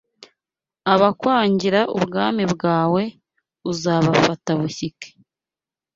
Abakwangira ubwami bwawe Uzabafata bushyike